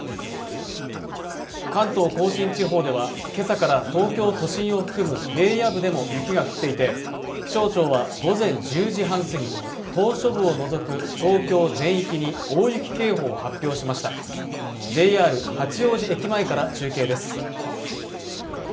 関東甲信地方ではけさから東京都心を含む平野部でも雪が降っていて気象庁は午前１０時半過ぎ島しょ部を除く東京全域に大雪警報を発表しましたＪＲ八王子駅前から中継です